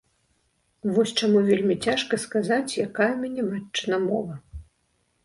Вось чаму вельмі цяжка сказаць, якая ў мяне матчына мова.